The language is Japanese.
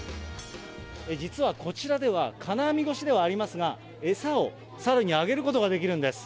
実はこちらでは、金網越しではありますが、餌をサルにあげることができるんです。